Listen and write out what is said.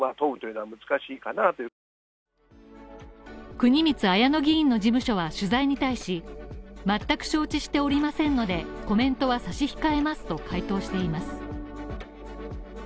国光文乃議員の事務所は取材に対し、全く承知しておりませんのでコメントは差し控えますと回答しています。